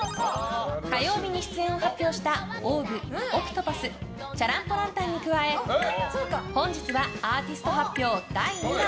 火曜日に出演を発表したＯＷＶＯＣＴＰＡＴＨチャラン・ポ・ランタンに加え本日はアーティスト発表第２弾。